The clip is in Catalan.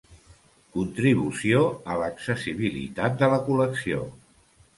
Contribució a l'accessibilitat de la col·lecció.